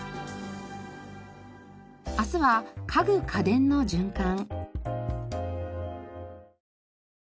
明日は家具・家電の循環。